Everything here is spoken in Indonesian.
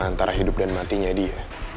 antara hidup dan matinya dia